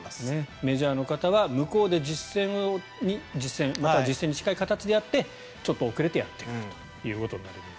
メジャーの方は向こうで実戦に近い形でやってちょっと遅れてやってくるということになります。